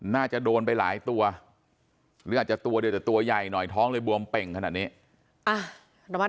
น่าจะโดนไปหลายตัวหรืออาจจะตัวเดียวแต่ตัวใหญ่หน่อยท้องเลยบวมเป่งขนาดนี้